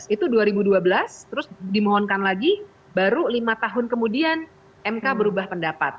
itu dua ribu dua belas terus dimohonkan lagi baru lima tahun kemudian mk berubah pendapat